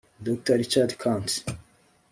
Dr Richard Kandt